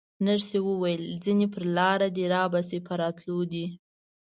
نرسې وویل: ځینې پر لاره دي، رابه شي، په راتلو دي.